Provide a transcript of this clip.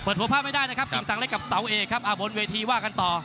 หัวภาพไม่ได้นะครับกิ่งสังเล็กกับเสาเอกครับบนเวทีว่ากันต่อ